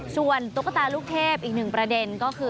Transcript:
ส่วนตุ๊กตาลูกเทพอีกหนึ่งประเด็นก็คือ